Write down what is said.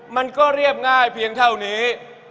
มันก็เรียบง่ายเพียงเท่านี้